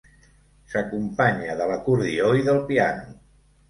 S'acompanya de l'acordió i del piano.